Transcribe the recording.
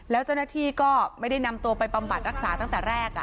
แล้วเจ้าหน้าที่ก็ไม่ได้นำตัวไปบำบัดรักษาตั้งแต่แรก